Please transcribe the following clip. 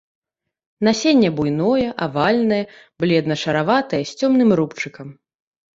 Насенне буйное, авальнае, бледна-шараватае, з цёмным рубчыкам.